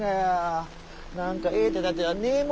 何かええ手だてはねえもんかしゃん。